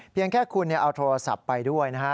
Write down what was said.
เพียงแค่คุณเอาโทรศัพท์ไปด้วยนะฮะ